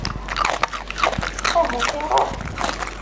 Ahat iṛuḥ.